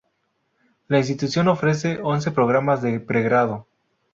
La institución ofrece once programas de pregrado.